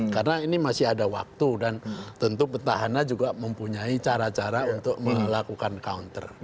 karena ini masih ada waktu dan tentu petahana juga mempunyai cara cara untuk melakukan counter